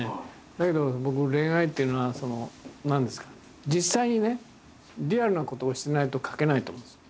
だけど僕恋愛っていうのは実際にねリアルなことをしてないと描けないと思うんですよ。